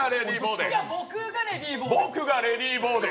僕がレディーボ−デン。